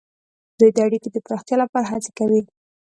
دوی د اړیکو د پراختیا لپاره هڅې کوي